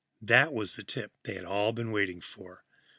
That was the tip they had all been waiting for.